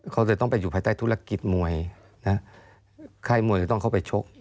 เขาจะต้องไปอยู่ภายใต้ธุรกิจมวยนะค่ายมวยจะต้องเข้าไปชก